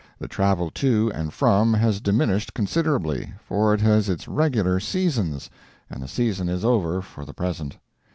The travel to and fro has diminished considerably, for it has its regular seasons, and the season is over for the present.